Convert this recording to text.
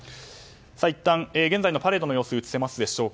いったん現在のパレードの様子。